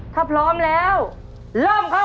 ถ้าพร้อมแล้วเริ่มครับ